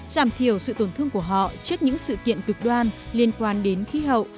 giảm thiểu sự tổn thương của họ trước những sự kiện cực đoan liên quan đến khí hậu